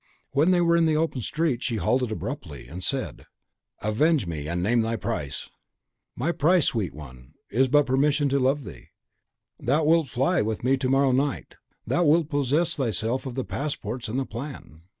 When they were in the open street, she halted abruptly, and said, "Avenge me, and name thy price!" "My price, sweet one! is but permission to love thee. Thou wilt fly with me to morrow night; thou wilt possess thyself of the passports and the plan."